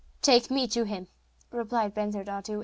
'Take me to him,' replied Bensurdatu.